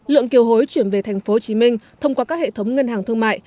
lượng kiều hối chuyển về tp hcm thông qua các hệ thống ngân hàng thương mại